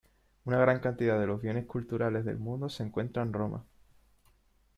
Una gran cantidad de los bienes culturales del mundo se encuentra en Roma.